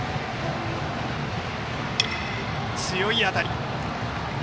強い当たり。